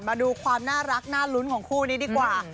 มาดูความน่ารักน่าลุ้นของคู่นี้ดีกว่า